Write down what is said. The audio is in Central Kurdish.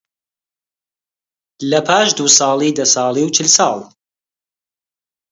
لەپاش دوو ساڵی، دە ساڵی و چل ساڵ